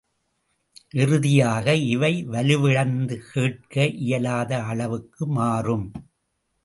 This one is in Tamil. இறுதியாக இவை வலுவிழந்து கேட்க இயலாத அளவுக்கு மாறும்.